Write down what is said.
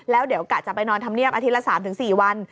แล้วเดี๋ยวกะจะไปนอนธรรมเนียบอาทิตย์ละ๓๔วัน